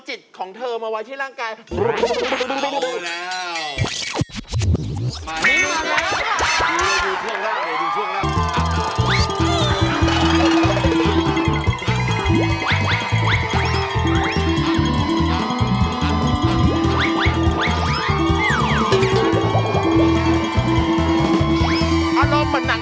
อร่องเหมือนหนังแขกเหมือนกันนะ